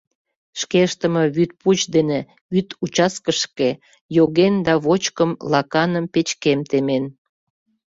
Шке ыштыме вӱд пуч дене вӱд участкышке йоген да вочкым, лаканым, печкем темен.